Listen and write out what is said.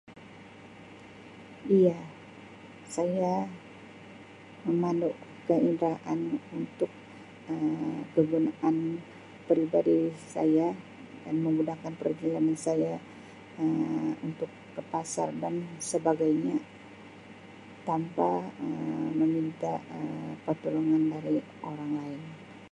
Iya saya memandu kenderaan untuk Um kegunaan peribadi saya dan memudahkan perjalanan saya Um untuk ke pasar dan sebagainya tanpa Um meminta Um pertolongan dari orang lain.